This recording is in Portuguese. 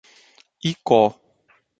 Icó